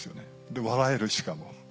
で笑えるしかも。